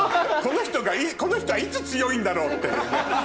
この人はいつ強いんだろう？っていうね。